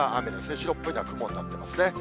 白っぽいのは雲になってますね。